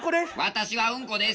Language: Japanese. ・私はうんこです！